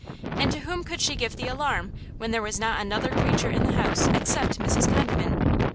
And to whom could she give the alarm when there was not another creature in the house except Mrs. Condiment?